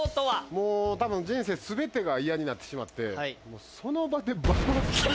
もう多分人生すべてが嫌になってしまってその場で爆発した。